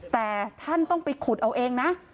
แต่ท่านต้องไปขุดเอาเองนะ